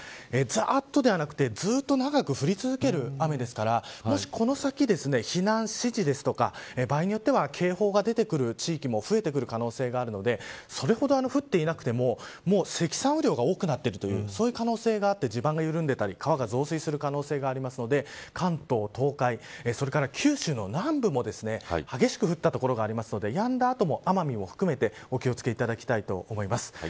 ざっとではなくてずっと長く降り続ける雨ですからもしこの先、避難指示ですとか場合によっては警報が出てくる地域も増えてくる可能性があるのでそれほど降っていなくても積算雨量が多くなっているという可能性があって地盤が緩んでいたり川が増水する可能性があるので関東、東海それから九州南部も激しく降った所があるのでやんだ後も奄美も含めてお気を付けいただきたいと思います。